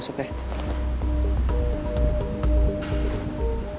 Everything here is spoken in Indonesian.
kalau masih hidup youostonin dia